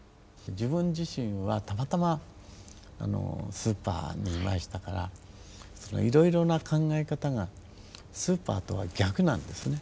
自分自身はたまたまスーパーにいましたからいろいろな考え方がスーパーとは逆なんですね。